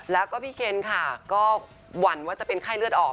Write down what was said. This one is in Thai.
แล้วก็พี่เคนค่ะก็หวั่นว่าจะเป็นไข้เลือดออก